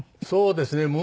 そうですね。